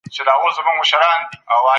دا سیمه او ولس استثمار سوي دي.